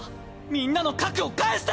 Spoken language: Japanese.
みんなの核を返して！